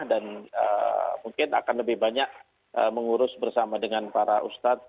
dan mungkin akan lebih banyak mengurus bersama dengan para ustaz